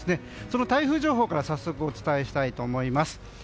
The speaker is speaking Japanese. その台風情報から早速お伝えしたいと思います。